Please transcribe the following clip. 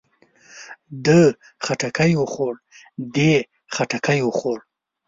ده خټکی وخوړ. دې خټکی وخوړ.